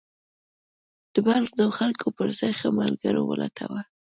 د بد خلکو پر ځای ښه ملګري ولټوه.